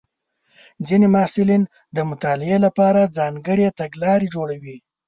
ځینې محصلین د مطالعې لپاره ځانګړې تګلارې جوړوي.